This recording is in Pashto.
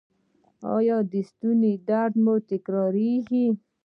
ایا د ستوني درد مو تکراریږي؟